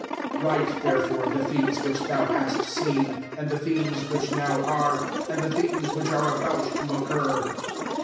* 19 Write therefore the things which thou hast seen, and the things which now are, and the things which are about to oc cur.